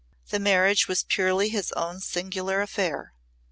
The marriage was purely his own singular affair.